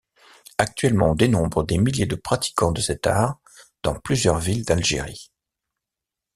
Actuellement, on dénombre des milliers de pratiquants de cet art dans plusieurs villes d’Algérie.